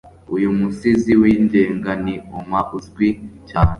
uyu musizi wigenga ni Homer uzwi cyane